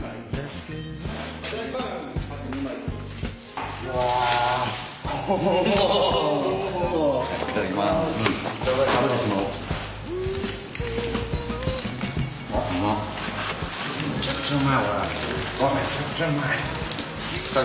めちゃくちゃうまいわこれ。